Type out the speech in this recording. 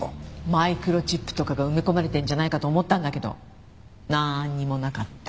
マイクロチップとかが埋め込まれているんじゃないかと思ったんだけどなんにもなかった。